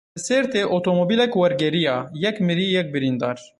Li Sêrtê otomobîlek wergeriya yek mirî, yek birîndar.